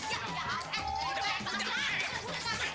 enak banget apa didengerin